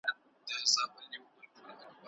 واک ته رسېدل به د اصولو پر بنسټ وي.